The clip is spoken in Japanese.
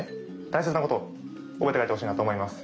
大切なことを覚えて帰ってほしいなと思います。